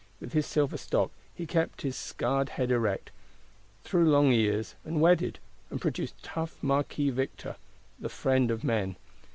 With his silver stock he kept his scarred head erect, through long years; and wedded; and produced tough Marquis Victor, the Friend of Men.